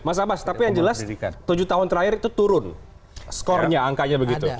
mas abbas tapi yang jelas tujuh tahun terakhir itu turun skornya angkanya begitu